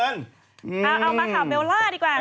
เอามาข่าวเบลล่าดีกว่า